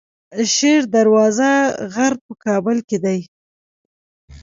شیر دروازه غر په کابل کې دی